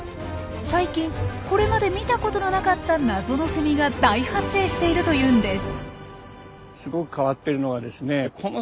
最近これまで見たことのなかった謎のセミが大発生しているというんです。